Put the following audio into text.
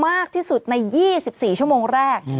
มากที่สุดใน๒๔ชั่วโมงแรก